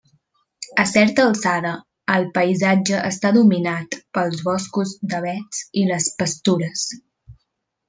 A certa alçada el paisatge està dominat pels boscos d'avets i les pastures.